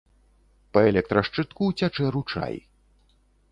Па электрашчытку цячэ ручай.